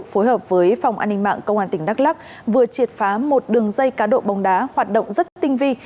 phối hợp với phòng an ninh mạng công an tỉnh đắk lắc vừa triệt phá một đường dây cá độ bóng đá hoạt động rất tinh vi